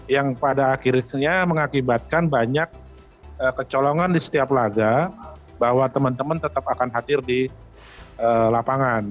yang pada akhirnya mengakibatkan banyak kecolongan di setiap laga bahwa teman teman tetap akan hadir di lapangan